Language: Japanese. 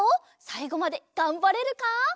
さいごまでがんばれるか？